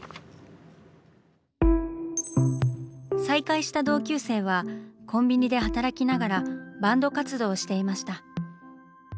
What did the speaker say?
再会した同級生はコンビニで働きながらバンド活動をしていました。